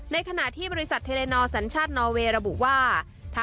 ในขณะที่บริษัทเทเลนอสัญชาตินอเวย์ระบุว่า